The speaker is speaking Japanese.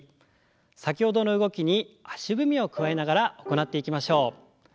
先ほどの動きに足踏みを加えながら行っていきましょう。